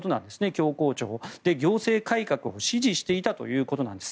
教皇庁、行政改革を指示していたということです。